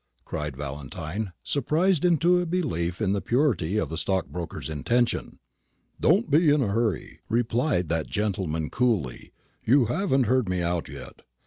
cried Valentine, surprised into a belief in the purity of the stockbroker's intentions. "Don't be in a hurry," replied that gentleman coolly; "you haven't heard me out yet.